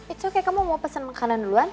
it's okay kamu mau pesen makanan duluan